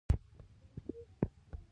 د غزني د زرکشان کان مشهور دی